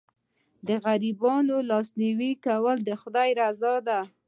د غریبانو لاسنیوی کول د خدای رضا ده.